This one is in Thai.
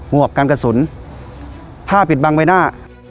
งวกกังกะศุลย์ผ้าผิดบังใบหน้า